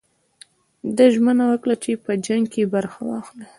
ده ژمنه وکړه چې په جنګ کې برخه واخلي.